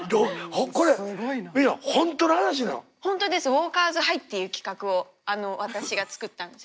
ウォーカーズハイっていう企画を私が作ったんです。